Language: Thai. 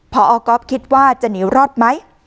พอก๊อฟคิดว่าจะหนีรอดไหม